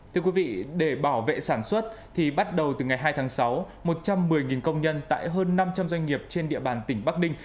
thưa quý vị để bảo vệ sản xuất thì bắt đầu từ ngày hai tháng sáu một trăm một mươi công nhân tại hơn năm trăm linh doanh nghiệp trên địa bàn tỉnh bắc ninh